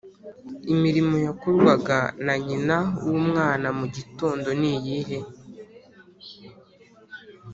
Imirimo yakorwaga na nyina w’umwana mu gitondo ni iyihe?